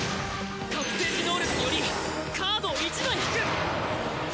覚醒時能力によりカードを１枚引く！